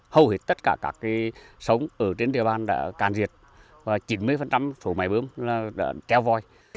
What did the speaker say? hầu hết tất cả các sống ở trên địa bàn đã càn diệt và chín mươi phổ máy bơm đã treo voi